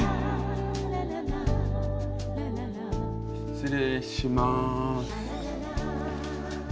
失礼します。